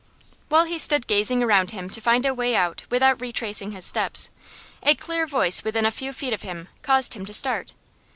While he stood gazing around him to find a way out without retracing his steps, a clear voice within a few feet of him caused him to start.